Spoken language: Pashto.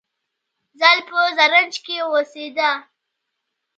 زال په زرنج کې اوسیده